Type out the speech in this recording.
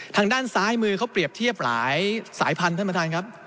ทางด้านซ้ายมือเขาเปรียบเทียบหลายสายพันธุท่านประธานครับ